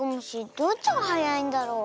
どっちがはやいんだろう。